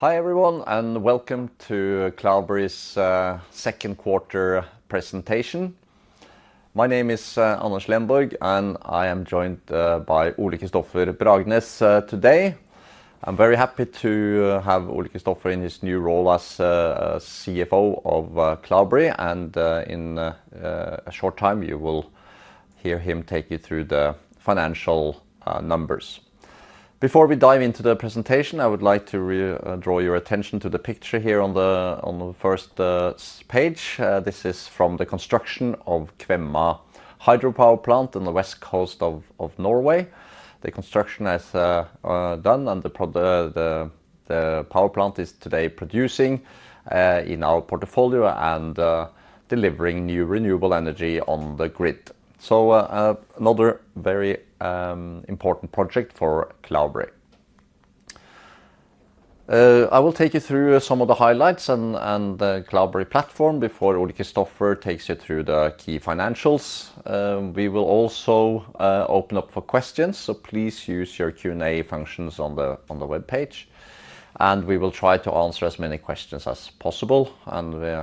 Hi, everyone, and welcome to Cloudberry's second quarter presentation. My name is Anders Lenborg, and I am joined by Ole-Kristofer Bragnes today. I'm very happy to have Ole-Kristofer in his new role as CFO of Cloudberry, and in a short time, you will hear him take you through the financial numbers. Before we dive into the presentation, I would like to re-draw your attention to the picture here on the first page. This is from the construction of Øvre Kvemma Hydropower Plant on the west coast of Norway. The construction is done, and the power plant is today producing in our portfolio and delivering new renewable energy on the grid, so another very important project for Cloudberry. I will take you through some of the highlights and the Cloudberry platform before Ole-Kristofer takes you through the key financials. We will also open up for questions, so please use your Q&A functions on the web page, and we will try to answer as many questions as possible.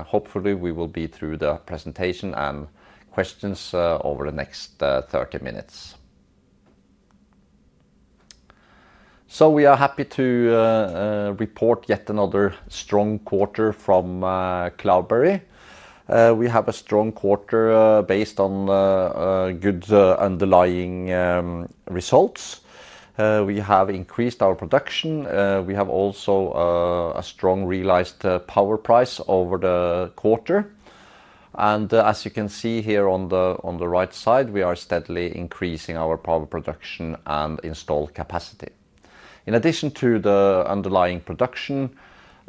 Hopefully, we will be through the presentation and questions over the next 30 minutes. We are happy to report yet another strong quarter from Cloudberry. We have a strong quarter based on good underlying results. We have increased our production. We have also a strong realized power price over the quarter. As you can see here on the right side, we are steadily increasing our power production and installed capacity. In addition to the underlying production,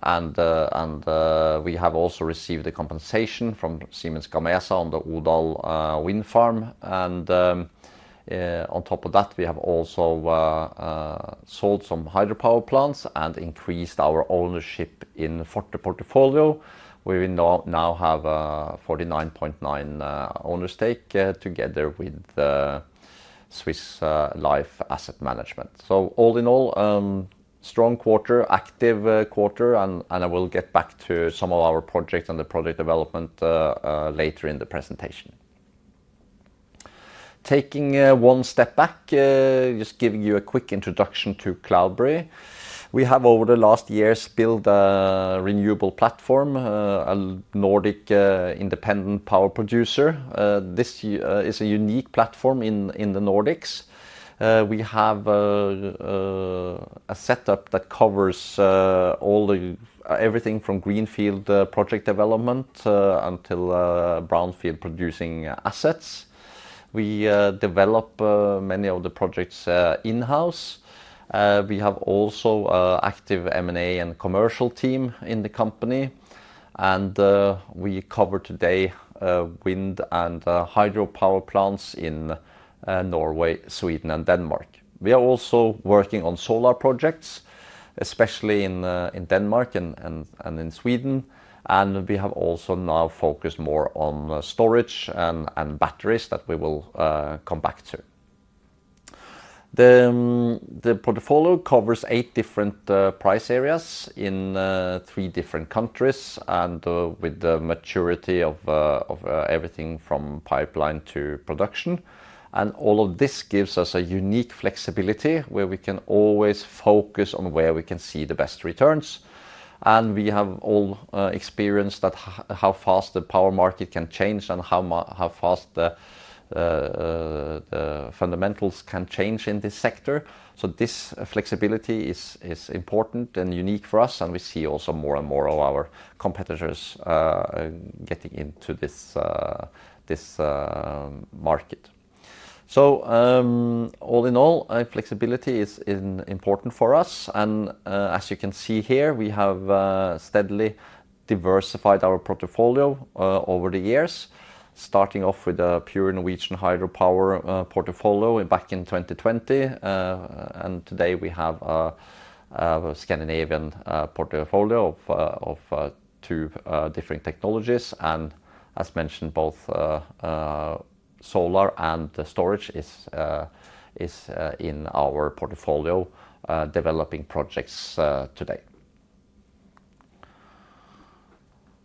and, and, we have also received a compensation from Siemens Gamesa on the Odal Wind Farm, and on top of that, we have also sold some hydropower plants and increased our ownership in Forte portfolio. We will now have a 49.9% ownership stake together with Swiss Life Asset Managers. So all in all, strong quarter, active quarter, and I will get back to some of our projects and the project development later in the presentation. Taking one step back, just giving you a quick introduction to Cloudberry. We have, over the last years, built a renewable platform, a Nordic independent power producer. This is a unique platform in the Nordics. We have a setup that covers all the everything from greenfield project development until brownfield-producing assets. We develop many of the projects in-house. We have also a active M&A and commercial team in the company, and we cover today wind and hydropower plants in Norway, Sweden, and Denmark. We are also working on solar projects, especially in Denmark and in Sweden, and we have also now focused more on storage and batteries that we will come back to. The portfolio covers eight different price areas in three different countries, and with the maturity of everything from pipeline to production. All of this gives us a unique flexibility, where we can always focus on where we can see the best returns. We have all experienced that how fast the power market can change and how fast the fundamentals can change in this sector. This flexibility is important and unique for us, and we see also more and more of our competitors getting into this market. All in all, flexibility is important for us. As you can see here, we have steadily diversified our portfolio over the years, starting off with a pure Norwegian hydropower portfolio back in 2020. Today, we have a Scandinavian portfolio of two different technologies. As mentioned, both solar and storage is in our portfolio developing projects today.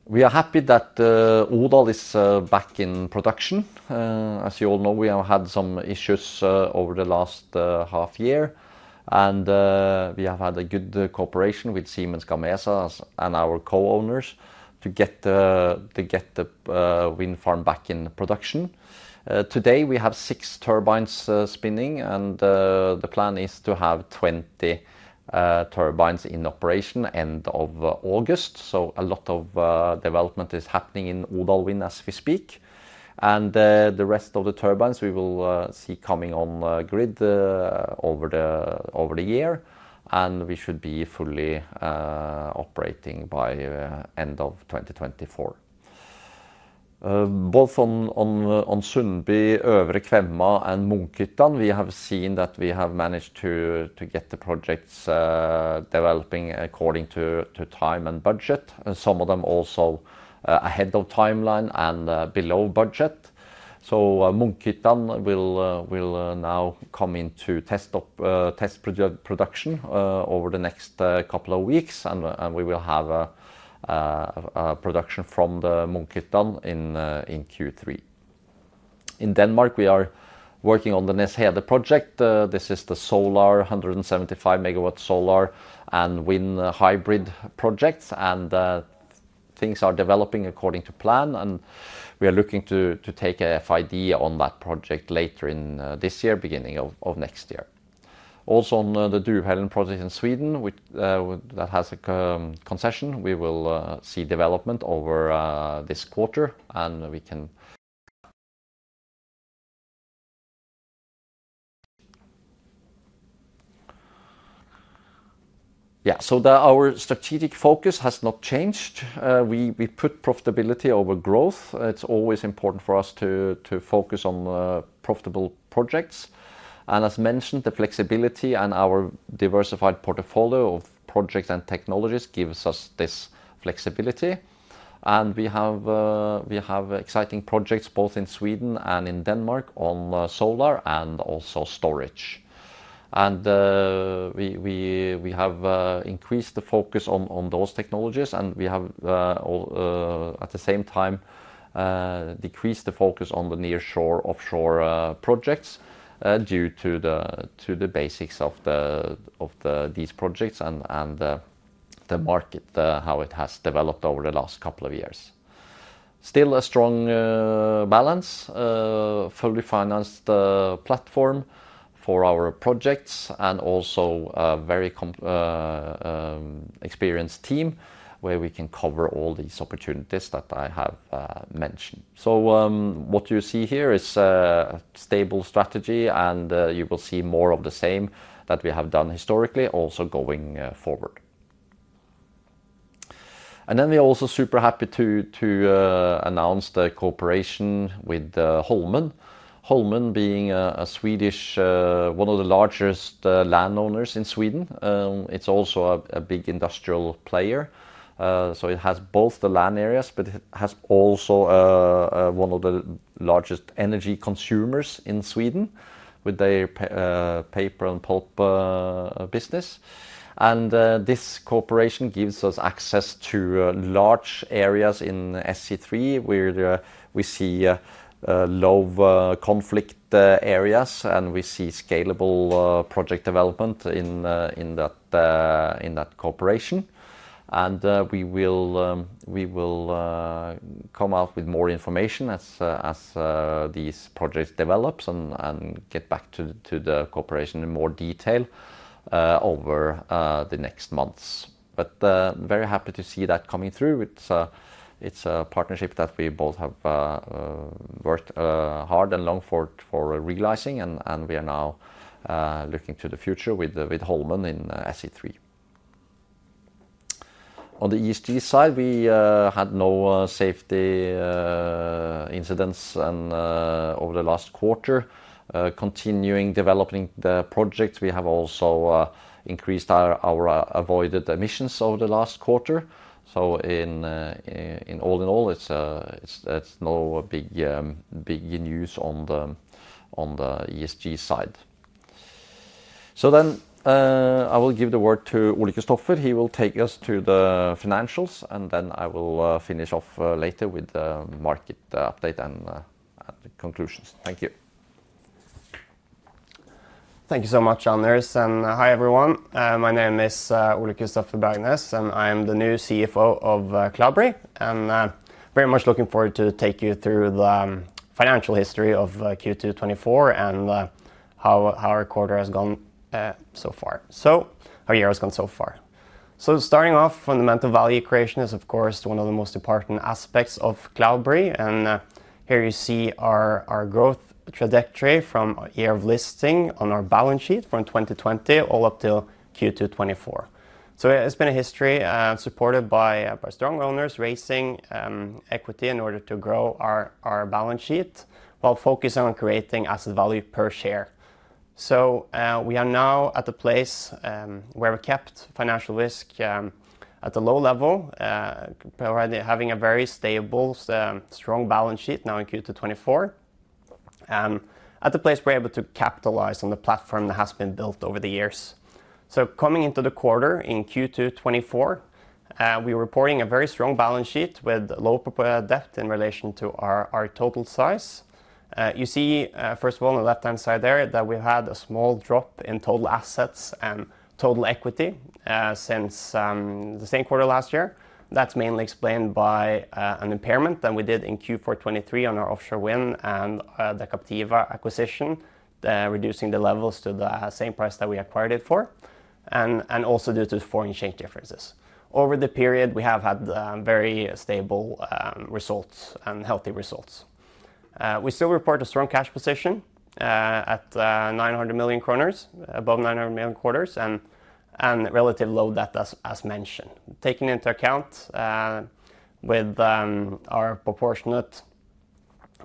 We are happy that Odal is back in production. As you all know, we have had some issues over the last half year, and we have had a good cooperation with Siemens Gamesa and our co-owners to get the wind farm back in production. Today, we have six turbines spinning, and the plan is to have 20 turbines in operation end of August. A lot of development is happening in Odal wind as we speak. The rest of the turbines we will see coming on grid over the year, and we should be fully operating by end of 2024. Both on Sundby, Øvre Kvemma, and Munkhyttan, we have seen that we have managed to get the projects developing according to time and budget. Some of them also ahead of timeline and below budget. Munkhyttan will now come into test production over the next couple of weeks, and we will have a production from the Munkhyttan in Q3. In Denmark, we are working on the Nees Hede project. This is the solar, 175-MW solar and wind hybrid project, and things are developing according to plan, and we are looking to take a FID on that project later in this year, beginning of next year. Also, on the Duvhällen project in Sweden, which that has a concession, we will see development over this quarter, and Yeah, so our strategic focus has not changed. We put profitability over growth. It's always important for us to focus on profitable projects. And as mentioned, the flexibility and our diversified portfolio of projects and technologies gives us this flexibility. And we have exciting projects both in Sweden and in Denmark on solar and also storage. We have increased the focus on those technologies, and we have at the same time decreased the focus on the nearshore/offshore projects due to the basics of these projects and the market, how it has developed over the last couple of years. Still, a strong balance fully financed platform for our projects and also a very experienced team, where we can cover all these opportunities that I have mentioned. What you see here is a stable strategy, and you will see more of the same that we have done historically also going forward. We're also super happy to announce the cooperation with Holmen. Holmen being a Swedish one of the largest landowners in Sweden. It's also a big industrial player. So it has both the land areas, but it has also one of the largest energy consumers in Sweden with their paper and pulp business. And this cooperation gives us access to large areas in SE3, where we see low conflict areas, and we see scalable project development in that cooperation. And we will come out with more information as these projects develops and get back to the cooperation in more detail over the next months. But very happy to see that coming through. It's a partnership that we both have worked hard and long for realizing, and we are now looking to the future with Holmen in SE3. On the ESG side, we had no safety incidents over the last quarter. Continuing developing the project, we have also increased our avoided emissions over the last quarter. So in all in all, it's no big news on the ESG side. So then I will give the word to Ole-Kristofer. He will take us through the financials, and then I will finish off later with the market update and the conclusions. Thank you. Thank you so much, Anders, and hi, everyone. My name is Ole-Kristofer Bragnes, and I'm the new CFO of Cloudberry. And very much looking forward to take you through the financial history of Q2 2024, and how our quarter has gone so far, our year has gone so far. So starting off, fundamental value creation is, of course, one of the most important aspects of Cloudberry, and here you see our growth trajectory from year of listing on our balance sheet from 2020 all up till Q2 2024. So it's been a history supported by strong owners raising equity in order to grow our balance sheet, while focusing on creating asset value per share. So, we are now at the place where we've kept financial risk at a low level, already having a very stable, strong balance sheet now in Q2 2024, at the place we're able to capitalize on the platform that has been built over the years. So coming into the quarter in Q2 2024, we were reporting a very strong balance sheet with low proper debt in relation to our total size. You see, first of all, on the left-hand side there, that we had a small drop in total assets and total equity since the same quarter last year. That's mainly explained by an impairment that we did in Q4 2023 on our offshore wind and the Captiva acquisition, reducing the levels to the same price that we acquired it for, and also due to foreign exchange differences. Over the period, we have had very stable results and healthy results. We still report a strong cash position at 900 million kroner, above 900 million, and relatively low debt, as mentioned. Taking into account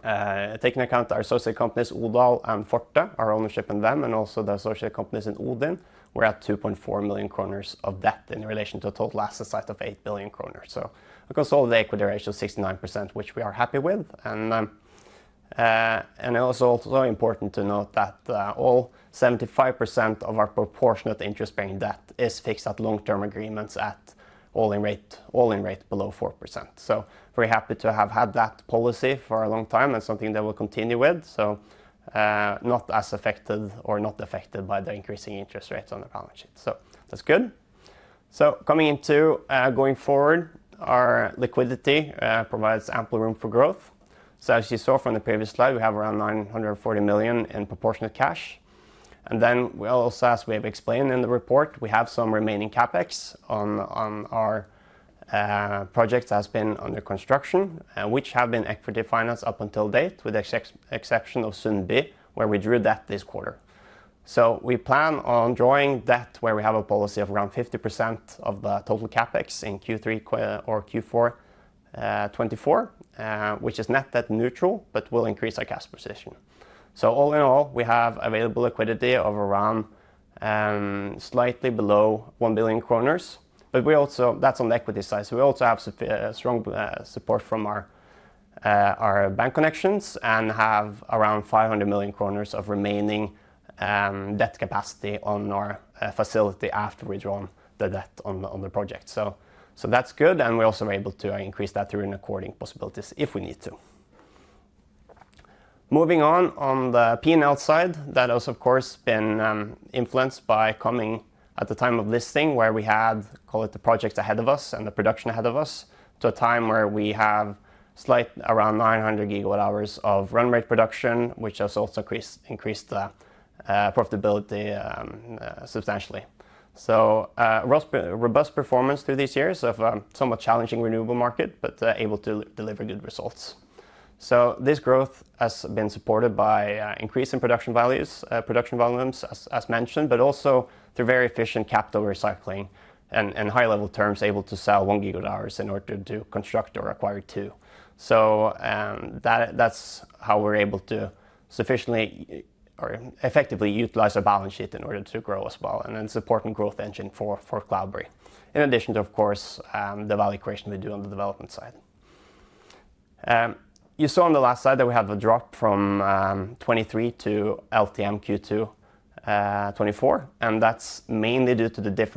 our associate companies, Odal and Forte, our ownership in them, and also the associate companies in Odin, we're at 2.4 billion kroner of debt in relation to a total asset size of 8 billion kroner. So a consolidated equity ratio of 69%, which we are happy with. It was also important to note that all 75% of our proportionate interest-bearing debt is fixed at long-term agreements at all-in rate below 4%. Very happy to have had that policy for a long time, and something that we'll continue with. Not as affected or not affected by the increasing interest rates on the balance sheet. That's good. Going forward, our liquidity provides ample room for growth. As you saw from the previous slide, we have around 940 million in proportionate cash. Then we also, as we have explained in the report, we have some remaining CapEx on our projects that has been under construction, which have been equity financed up until date, with the exception of Sundby, where we drew debt this quarter. So we plan on drawing debt where we have a policy of around 50% of the total CapEx in Q3 or Q4 2024, which is net debt neutral but will increase our cash position. So all in all, we have available liquidity of around slightly below 1 billion kroner, but we also-- that's on the equity side. So we also have strong support from our bank connections and have around 500 million kroner of remaining debt capacity on our facility after we draw the debt on the project. So that's good, and we also are able to increase that through refinancing possibilities if we need to. Moving on, on the P&L side, that has, of course, been influenced by coming at the time of listing, where we had, call it, the project ahead of us and the production ahead of us, to a time where we have slightly around 900 GWh of run rate production, which has also increased the profitability substantially. Robust performance through these years of somewhat challenging renewable market, but able to deliver good results. This growth has been supported by increase in production values, production volumes, as mentioned, but also through very efficient capital recycling and high-level terms able to sell 1 GWh in order to construct or acquire 2 GWh. That's how we're able to sufficiently or effectively utilize our balance sheet in order to grow as well, and then supporting growth engine for Cloudberry. In addition to, of course, the value creation we do on the development side. You saw on the last slide that we had a drop from 2023 to LTM Q2 2024, and that's mainly due to the drop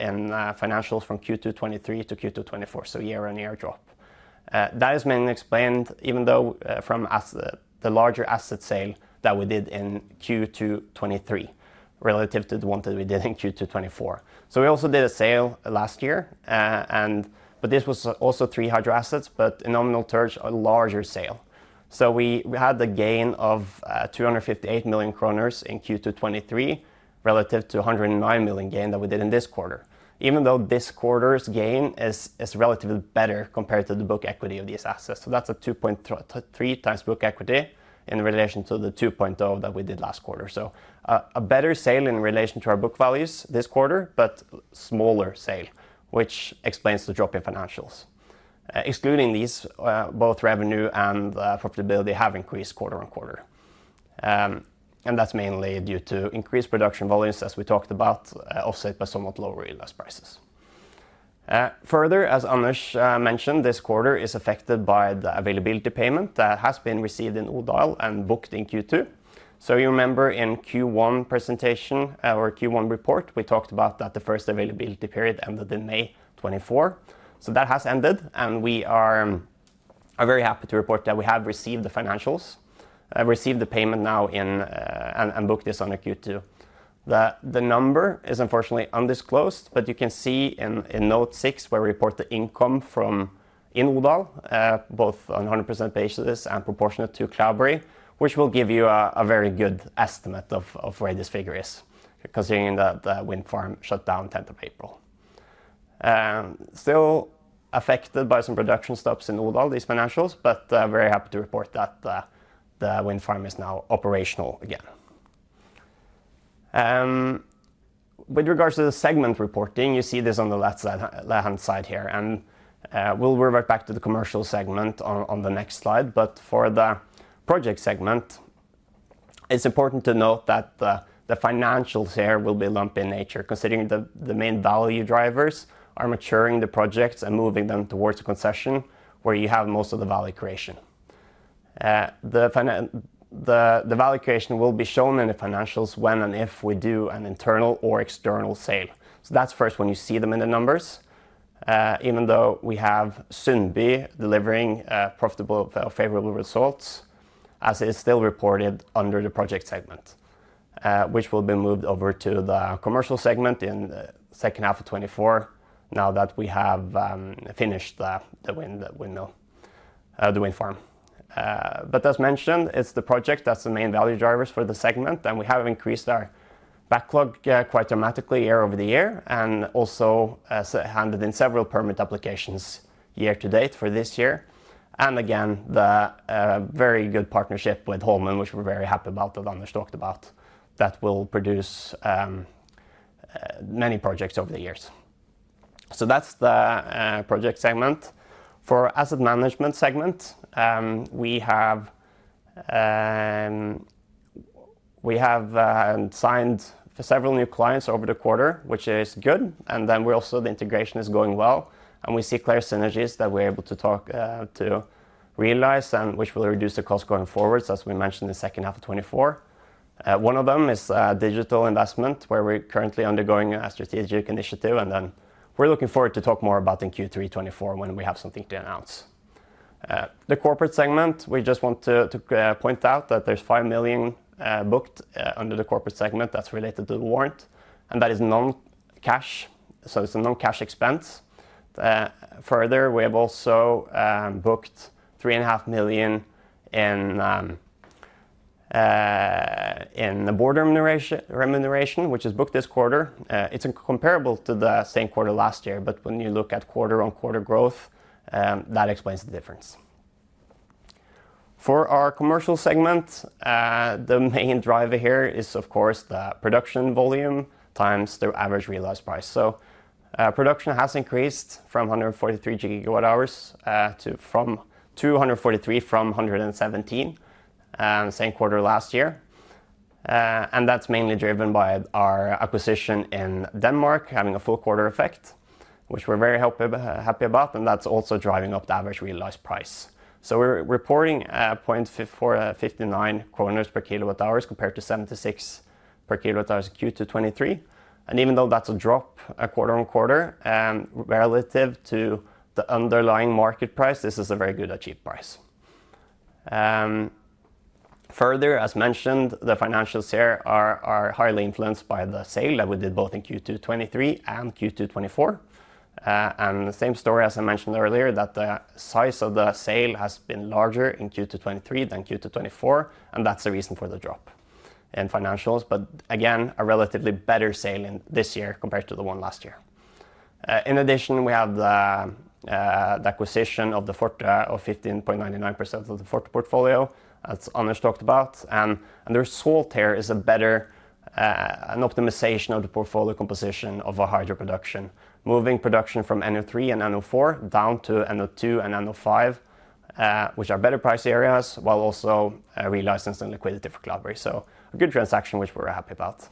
in financials from Q2 2023 to Q2 2024, so year-on-year drop. That is mainly explained by the larger asset sale that we did in Q2 2023 relative to the one that we did in Q2 2024. We also did a sale last year, but this was also three hydro assets, but in nominal terms, a larger sale. So we had the gain of 258 million kroner in Q2 2023, relative to a 109 million gain that we did in this quarter. Even though this quarter's gain is relatively better compared to the book equity of these assets. So that's a 2.3x book equity in relation to the 2.0x that we did last quarter. So a better sale in relation to our book values this quarter, but smaller sale, which explains the drop in financials. Excluding these, both revenue and profitability have increased quarter-on-quarter. And that's mainly due to increased production volumes, as we talked about, offset by somewhat lower realized prices. Further, as Anders mentioned, this quarter is affected by the availability payment that has been received in Odal and booked in Q2. So you remember in Q1 presentation or Q1 report, we talked about that the first availability period ended in May 2024. So that has ended, and we are very happy to report that we have received the financials, received the payment now, and booked this under Q2. The number is unfortunately undisclosed, but you can see in note 6, where we report the income from Odal both on a 100% basis and proportionate to Cloudberry, which will give you a very good estimate of where this figure is, considering that the wind farm shut down 10th of April. Still affected by some production stops in Odal, these financials, but very happy to report that the wind farm is now operational again. With regards to the segment reporting, you see this on the left side, left-hand side here, and we'll revert back to the commercial segment on the next slide. But for the project segment, it's important to note that the financials here will be lumpy in nature, considering the main value drivers are maturing the projects and moving them towards the concession, where you have most of the value creation. The value creation will be shown in the financials when and if we do an internal or external sale. So that's first when you see them in the numbers, even though we have Sundby delivering profitable or favorable results, as it is still reported under the project segment, which will be moved over to the commercial segment in the second half of 2024, now that we have finished the wind farm. But as mentioned, it's the project that's the main value drivers for the segment, and we have increased our backlog quite dramatically year-over-year, and also handed in several permit applications year to date for this year. Again, the very good partnership with Holmen, which we're very happy about, that Anders talked about, that will produce many projects over the years. That's the project segment. For asset management segment, we have. We have signed several new clients over the quarter, which is good, and then we also the integration is going well, and we see clear synergies that we're able to talk to realize and which will reduce the cost going forward, as we mentioned, the second half of 2024. One of them is digital investment, where we're currently undergoing a strategic initiative, and then we're looking forward to talk more about in Q3 2024 when we have something to announce. The corporate segment, we just want to point out that there's 5 million booked under the corporate segment that's related to the warrant, and that is non-cash, so it's a non-cash expense. Further, we have also booked 3.5 million in the board remuneration, which is booked this quarter. It's comparable to the same quarter last year, but when you look at quarter-on-quarter growth, that explains the difference. For our commercial segment, the main driver here is of course, the production volume times the average realized price. Production has increased from 143 GWh to 243 GWh, from 117 GWh, same quarter last year. That's mainly driven by our acquisition in Denmark, having a full quarter effect, which we're very happy about, and that's also driving up the average realized price. We're reporting 0.54 kroner, 0.59 per kWh, compared to 76 per kWh Q2 2023. Even though that's a drop quarter-on-quarter, relative to the underlying market price, this is a very good achieved price. Further, as mentioned, the financials here are highly influenced by the sale that we did both in Q2 2023 and Q2 2024. And the same story, as I mentioned earlier, that the size of the sale has been larger in Q2 2023 than Q2 2024, and that's the reason for the drop in financials, but again, a relatively better sale in this year compared to the one last year. In addition, we have the acquisition of the Forte portfolio of 15.99%, as Anders talked about, and the result here is a better, an optimization of the portfolio composition of a hydro production. Moving production from NO3 and NO4 down to NO2 and NO5, which are better price areas, while also releasing the liquidity for Cloudberry. So a good transaction, which we're happy about.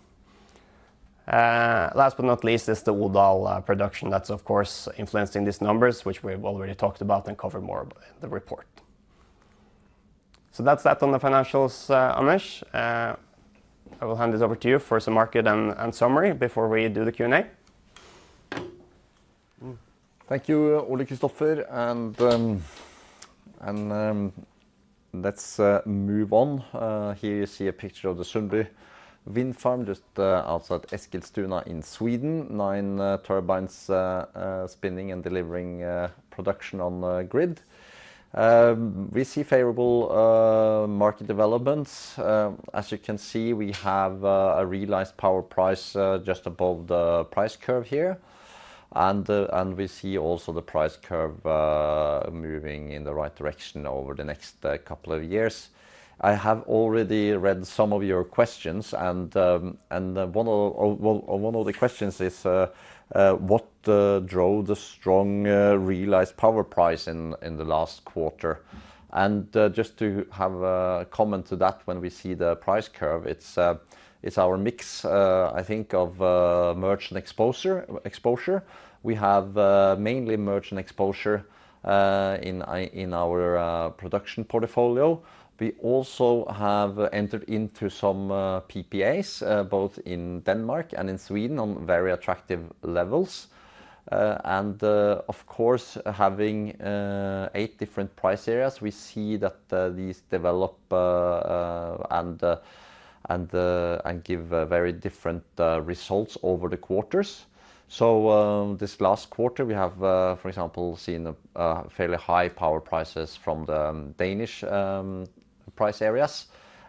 Last but not least, is the Odal production. That's, of course, influenced in these numbers, which we've already talked about and covered more in the report. So that's that on the financials, Anders. I will hand this over to you for some market and summary before we do the Q&A. Thank you, Ole-Kristofer, and let's move on. Here you see a picture of the Sundby wind farm, just outside Eskilstuna in Sweden. Nine turbines spinning and delivering production on the grid. We see favorable market developments. As you can see, we have a realized power price just above the price curve here, and we see also the price curve moving in the right direction over the next couple of years. I have already read some of your questions, and one of the questions is what drove the strong realized power price in the last quarter? Just to have a comment to that, when we see the price curve, it's our mix, I think, of merchant exposure. We have mainly merchant exposure in our production portfolio. We also have entered into some PPAs both in Denmark and in Sweden on very attractive levels. And, of course, having eight different price areas, we see that these develop and give very different results over the quarters. So, this last quarter, we have for example seen fairly high power prices from the Danish price areas,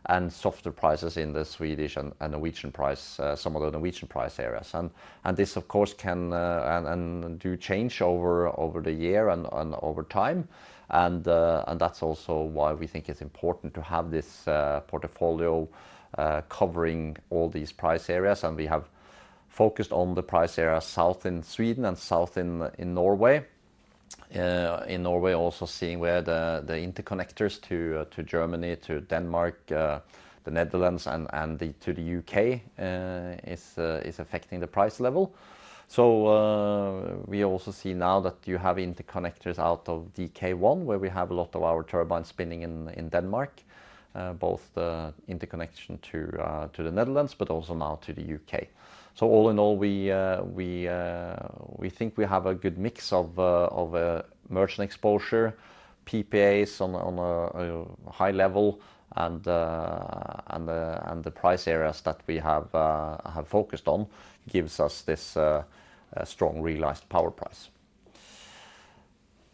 and softer prices in the Swedish and Norwegian price areas, some of the Norwegian price areas. This, of course, can and do change over the year and over time. That's also why we think it's important to have this portfolio covering all these price areas. We have focused on the price area south in Sweden and south in Norway. In Norway, also seeing where the interconnectors to Germany, to Denmark, the Netherlands, and to the U.K. is affecting the price level. We also see now that you have interconnectors out of DK1, where we have a lot of our turbines spinning in Denmark, both the interconnection to the Netherlands, but also now to the U.K. So all in all, we think we have a good mix of merchant exposure, PPAs on a high level, and the price areas that we have focused on gives us this strong realized power price.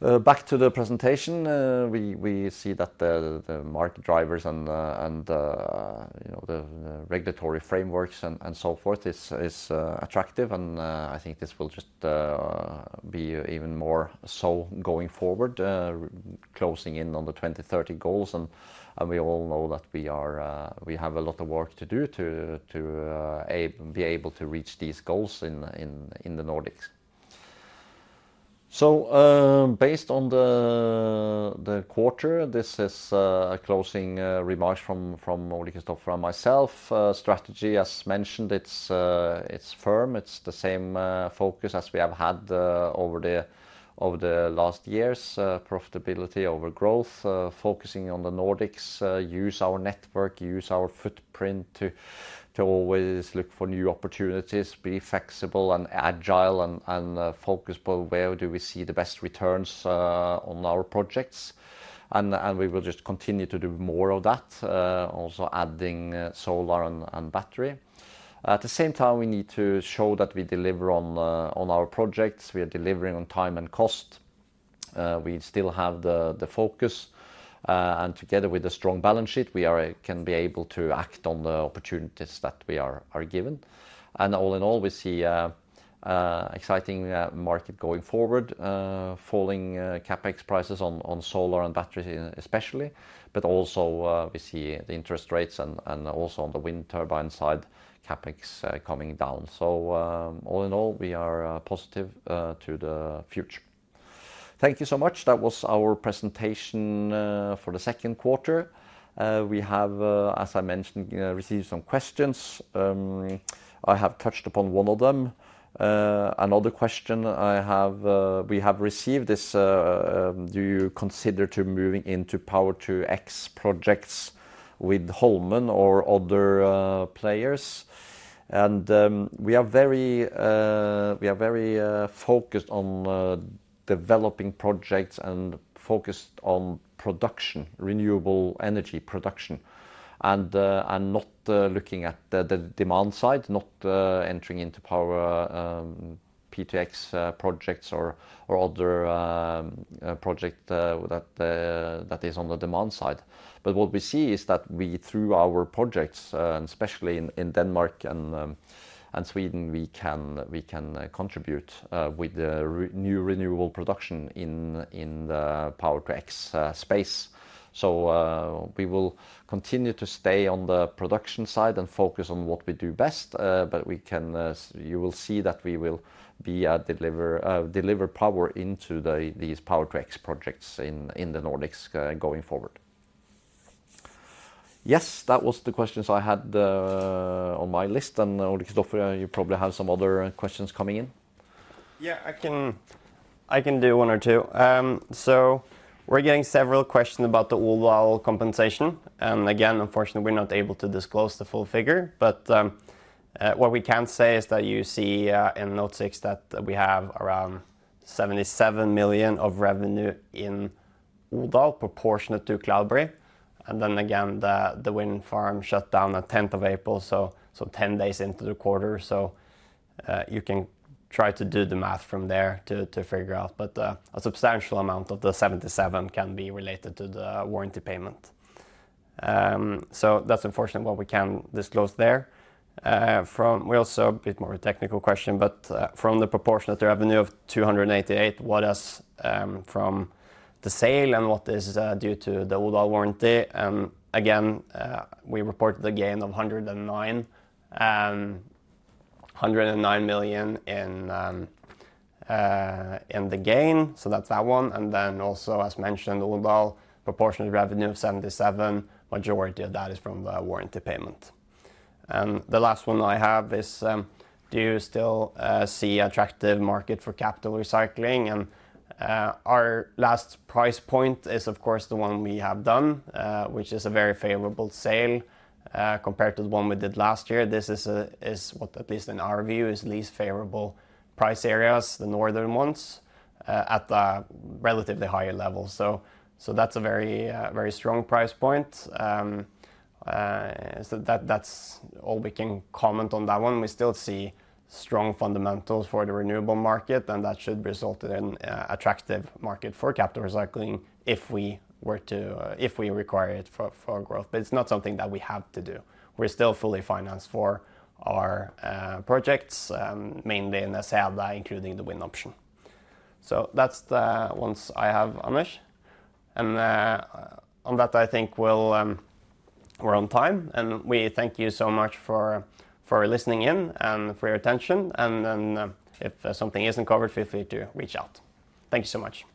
Back to the presentation, we see that the market drivers and, you know, the regulatory frameworks and so forth is attractive, and I think this will just be even more so going forward, closing in on the 2030 goals. And we all know that we are. We have a lot of work to do to be able to reach these goals in the Nordics. Based on the quarter, this is a closing remarks from Ole-Kristofer and myself. Strategy, as mentioned, it's firm. It's the same focus as we have had over the last years. Profitability over growth, focusing on the Nordics, use our network, use our footprint to always look for new opportunities, be flexible and agile and focused but where do we see the best returns on our projects? We will just continue to do more of that, also adding solar and battery. At the same time, we need to show that we deliver on our projects. We are delivering on time and cost. We still have the focus and together with a strong balance sheet, we can be able to act on the opportunities that we are given. All in all, we see an exciting market going forward, falling CapEx prices on solar and batteries especially, but also we see the interest rates and also on the wind turbine side, CapEx coming down. All in all, we are positive to the future. Thank you so much. That was our presentation for the second quarter. We have, as I mentioned, received some questions. I have touched upon one of them. Another question we have received is: "Do you consider to moving into Power-to-X projects with Holmen or other players?" And we are very focused on developing projects and focused on production, renewable energy production, and not looking at the demand side, not entering into Power-to-X projects or other project that is on the demand side. But what we see is that we, through our projects, and especially in Denmark and Sweden, we can contribute with the renewable production in the Power-to-X space. So we will continue to stay on the production side and focus on what we do best, but we can. You will see that we will be deliver power into these Power-to-X projects in the Nordics going forward. Yes, that was the questions I had on my list, and Ole-Kristofer, you probably have some other questions coming in. Yeah, I can, I can do one or two. So we're getting several questions about the Odal compensation, and again, unfortunately, we're not able to disclose the full figure. But, what we can say is that you see, in note six, that we have around 77 million of revenue in Odal, proportionate to Cloudberry. And then again, the wind farm shut down on 10th of April, so 10 days into the quarter. So, you can try to do the math from there to figure out. But, a substantial amount of the 77 million can be related to the warranty payment. So that's unfortunately what we can disclose there. We also, a bit more of a technical question, but, from the proportionate, the revenue of 288, what is from the sale and what is due to the Odal warranty? Again, we reported a gain of 109 million in the gain, so that's that one. And then also, as mentioned, Odal proportionate revenue of 77, majority of that is from the warranty payment. And the last one I have is: Do you still see attractive market for capital recycling? And, our last price point is, of course, the one we have done, which is a very favorable sale, compared to the one we did last year. This is what, at least in our view, is least favorable price areas, the northern ones, at the relatively higher level. So that's a very, very strong price point. So that, that's all we can comment on that one. We still see strong fundamentals for the renewable market, and that should result in attractive market for capital recycling if we were to if we require it for growth. But it's not something that we have to do. We're still fully financed for our projects, mainly in the solar, including the wind option. So that's the ones I have missed. And on that, I think we're on time, and we thank you so much for listening in and for your attention. And then, if something isn't covered, feel free to reach out. Thank you so much.